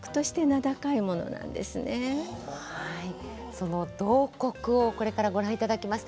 その「慟哭」をこれからご覧いただきます。